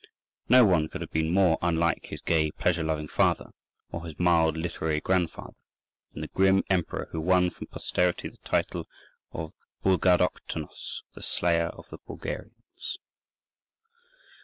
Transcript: No one could have been more unlike his gay pleasure loving father, or his mild literary grandfather, than the grim emperor who won from posterity the title of Bulgaroktonos, "the Slayer of the Bulgarians."